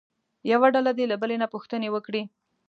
یوه ډله دې له بلې نه پوښتنې وکړي.